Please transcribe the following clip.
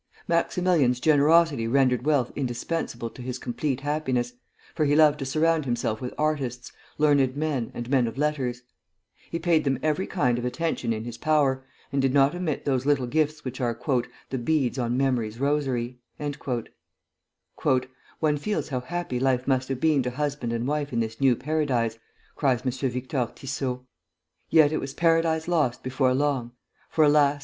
Maximilian's generosity rendered wealth indispensable to his complete happiness, for he loved to surround himself with artists, learned men, and men of letters. He paid them every kind of attention in his power, and did not omit those little gifts which are "the beads on memory's rosary." "One feels how happy life must have been to husband and wife in this new Paradise!" cries M. Victor Tissot. "Yet it was Paradise Lost before long, for alas!